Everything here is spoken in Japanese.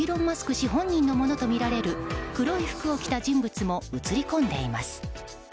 氏本人のものとみられる黒い服を着た人物も映り込んでいます。